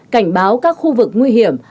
cảnh báo các khu vực nguy hiểm